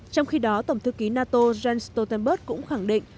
trong khi đó tổng thư ký nato jens stoltenberg cũng khẳng định